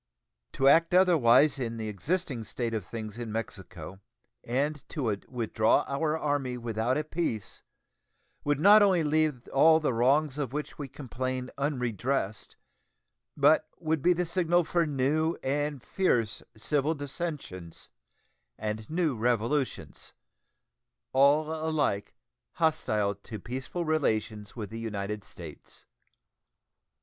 To act otherwise in the existing state of things in Mexico, and to withdraw our Army without a peace, would not only leave all the wrongs of which we complain unredressed, but would be the signal for new and fierce civil dissensions and new revolutions all alike hostile to peaceful relations with the United States.